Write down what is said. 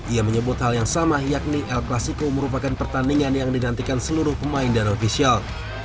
ia menyebut hal yang sama yakni el clasico merupakan pertandingan yang dinantikan seluruh pemain dan ofisial